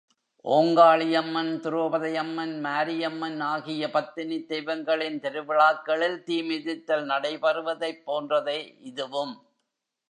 ஓங்காளியம்மன், துரோபதையம்மன், மாரியம்மன் ஆகிய பத்தினித் தெய்வங்களின் திருவிழாக்களில் தீமிதித்தல் நடைபெறுவதைப் போன்றதே இதுவும்.